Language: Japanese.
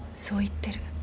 そう言ってる。